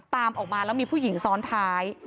ตามออกมาแล้วมีผู้หญิงซ้อนท้าย